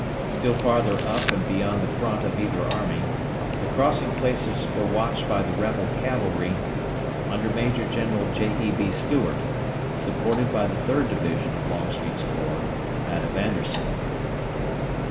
Still farther up and beyond the front of either army, the crossing places were watched by the rebel cavalry under Major General J. E. B. Stuart, supported by the Third Division of Longstreet's corps, that of Anderson.